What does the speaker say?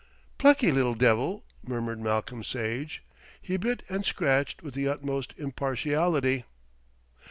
"Plucky little devil," murmured Malcolm Sage. "He bit and scratched with the utmost impartiality."